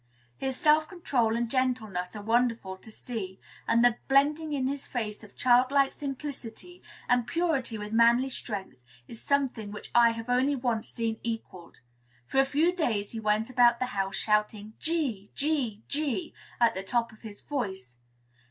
His self control and gentleness are wonderful to see; and the blending in his face of childlike simplicity and purity with manly strength is something which I have only once seen equalled. For a few days he went about the house, shouting "G! G! G!" at the top of his voice.